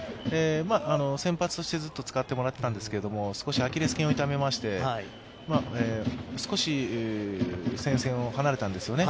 先発してずっと使ってもらってたんですけど、少しアキレス腱を痛めまして少し戦線を離れたんですよね。